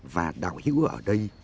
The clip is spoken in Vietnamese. và đạo hữu ở đây